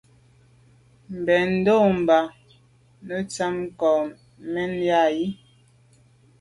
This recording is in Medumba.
Mbèn ndo’ mba netsham nka menya yi.